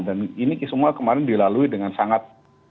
dan ini semua kemarin dilalui dengan sangat